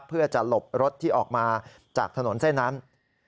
เพื่อจะหลบรถที่ออกมาจากถนนเส้นนั้น